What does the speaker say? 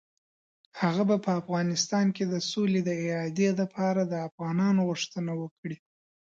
هغه به په افغانستان کې د سولې د اعادې لپاره د افغانانو غوښتنه وکړي.